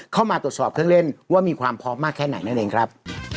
เข้ามาตรวจสอบเครื่องเล่นว่ามีความพร้อมมากแค่ไหนนั่นเองครับ